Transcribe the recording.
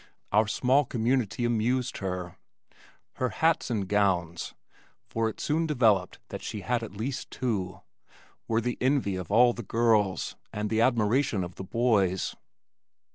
Our small community amused her. Her hats and gowns (for it soon developed that she had at least two), were the envy of all the girls, and the admiration of the boys.